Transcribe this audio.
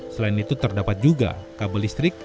selain itu terdapat juga kabel listrik